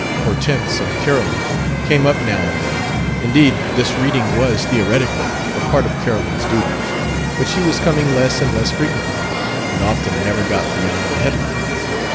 Hortense and Carolyn came up now and then: indeed, this reading was, theoretically, a part of Carolyn's duties, but she was coming less and less frequently, and often never got beyond the headlines.